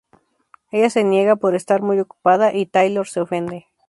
Ella se niega por estar muy ocupada, y Taylor se ofende.